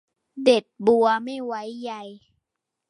เด็ดบัวไม่ไว้ใย